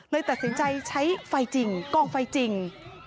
ตัดสินใจใช้ไฟจริงกองไฟจริง